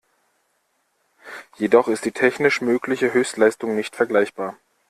Jedoch ist die technisch mögliche Höchstleistung nicht vergleichbar.